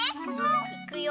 いくよ。